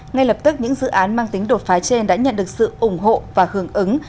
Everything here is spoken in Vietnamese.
ngay lập tức những dự án mang tính đột phá trên đã nhận được sự ủng hộ và hưởng ứng